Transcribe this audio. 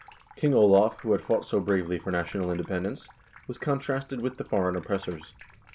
King Olav, who had fought so bravely for national independence, was contrasted with the foreign oppressors.